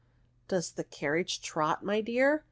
'* Does the carriage trot, my dear?"